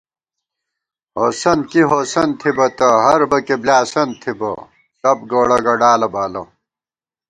ہوسند کی ہوسند تھِبہ تہ ہربَکےبۡلیاسند تھِبہ ݪپ گوڑہ گڈالہ بالہ